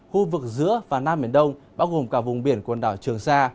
khu vực giữa và nam biển đông bao gồm cả vùng biển quần đảo trường sa